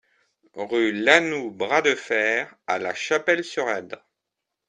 Rue Lanoue Bras de Fer à La Chapelle-sur-Erdre